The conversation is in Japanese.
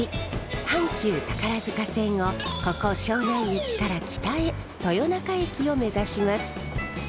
阪急宝塚線をここ庄内駅から北へ豊中駅を目指します。